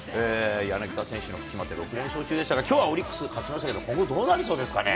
柳田選手の活躍もあって６連勝中ですが、きょうはオリックス勝ちましたけど、今後どうなりそうですかね。